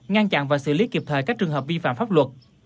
ngăn chặn và xử lý kịp thời các trường hợp vi phạm pháp luật